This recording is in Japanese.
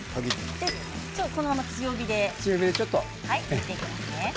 このまま強火で煮ていきますね。